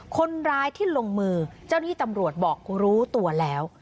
คนร้ายที่ลงมือเจ้าหน้าที่ตำรวจบอกรู้ตัวแล้ว